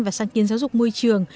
và sáng kiến giáo dục môi trường